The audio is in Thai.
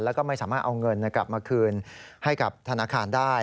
แล้วก็ไม่สามารถเอาเงินกลับมาคืนให้กับธนาคารได้